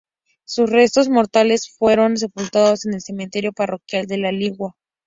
Sus restos mortales fueron sepultados en el cementerio parroquial de La Ligua.